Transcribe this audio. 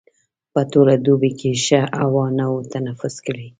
په ټوله دوبي کې ښه هوا نه وه تنفس کړې.